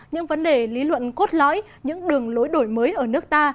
những vấn đề lý luận cốt lõi những đường lối đổi mới ở nước ta